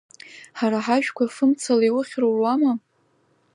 Ҳара ҳажәқәа фымцала иухьар руама?!